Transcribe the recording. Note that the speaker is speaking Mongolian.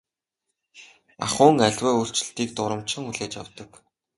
Ахуйн аливаа өөрчлөлтийг дурамжхан хүлээж авдаг.